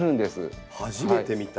初めて見た。